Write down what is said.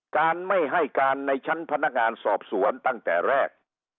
การไม่ให้การในชั้นพนักงานสอบสวนตั้งแต่แรก